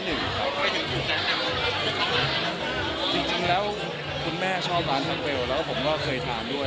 จริงจริงแล้วคุณแม่ชอบแล้วผมก็เคยทำด้วย